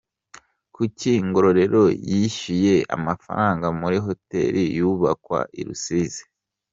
Kuki Ngororero yishyuye amafaranga muri hoteli yubakwa i Rusizi?